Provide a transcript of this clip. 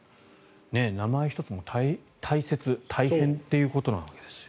名前１つも大切大変ということですね。